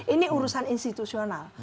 ini urusan institusional